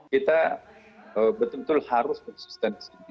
kita betul betul harus konsisten disini